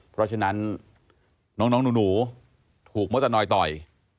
เพราะฉะนั้นน้องหนูถูกมดตะนอยต่อย